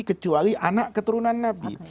kecuali anak keturunan nabi